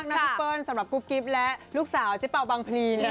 พี่เปิ้ลสำหรับกุ๊บกิ๊บและลูกสาวเจ๊เป่าบังพลี